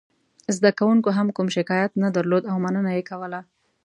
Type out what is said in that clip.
زده کوونکو هم کوم شکایت نه درلود او مننه یې کوله.